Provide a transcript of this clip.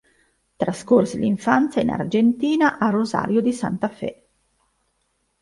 Trascorse l'infanzia in Argentina a Rosario di Santa Fe.